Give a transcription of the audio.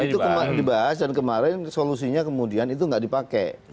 itu dibahas dan kemarin solusinya kemudian itu nggak dipakai